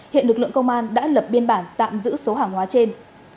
hiện lực lượng công an đã lập biên bản tạm giữ số hàng hóa trên